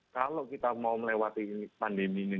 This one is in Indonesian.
kalau kita mau melewati pandemi ini